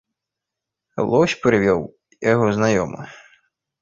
Лось прывёў, яго знаёмы.